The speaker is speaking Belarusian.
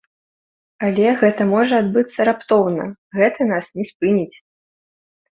Але гэта можа адбыцца раптоўна, гэта нас не спыніць.